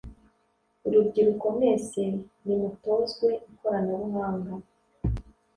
urubyiruko mwese nimutozwe ikoranabuhanga